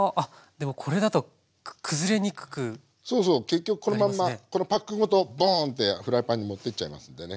結局このまんまこのパックごとボーンってフライパンに持ってっちゃいますんでね。